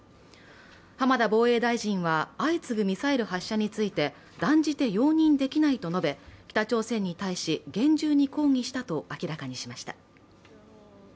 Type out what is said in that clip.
浜田防衛大臣は相次ぐミサイル発射について断じて容認できないと述べ、北朝鮮に対し厳重に抗議したと明らかにしました。